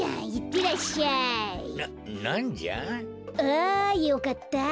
あよかった。